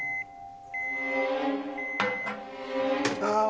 ・ああ。